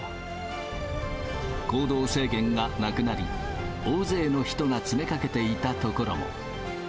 行動制限がなくなり、大勢の人が詰めかけていた所も。